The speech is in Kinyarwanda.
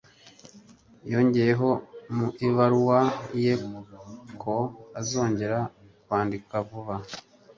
Yongeyeho mu ibaruwa ye ko azongera kwandika vuba